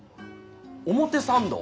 表参道？